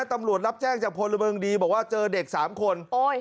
ตำรวจรับแจ้งจากพลเมืองดีบอกว่าเจอเด็ก๓คน